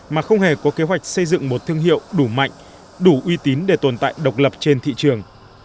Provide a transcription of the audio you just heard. mà không hề có kế hoạch xây dựng một thương hiệu đủ mạnh đủ uy tín để tồn tại độc lập trên thị trường